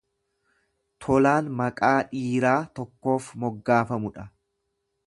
Tolaan maqaa dhiiraa tokkoof moggaafamudha.